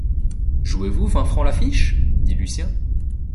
Jouez-vous vingt francs la fiche ?… dit Lucien.